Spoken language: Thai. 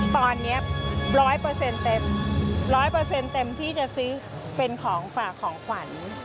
ตอนนี้ร้อยเปอร์เซ็นต์เต็มร้อยเปอร์เซ็นต์เต็มที่จะซื้อเป็นของฝากของขวัญ